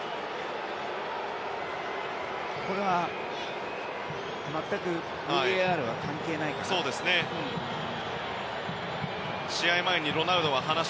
これは全くＶＡＲは関係ないかな。